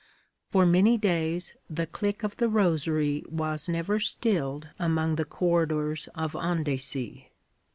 For many days, the click of the rosary was never stilled among the corridors of Andecy.